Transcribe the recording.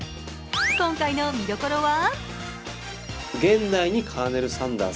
今回の見どころは？